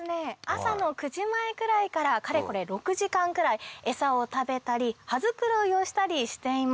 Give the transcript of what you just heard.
朝の９時前くらいからかれこれ６時間くらい餌を食べたり羽繕いをしたりしています。